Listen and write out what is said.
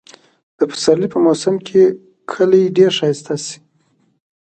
د پسرلي په موسم کې کلى ډېر ښايسته شي.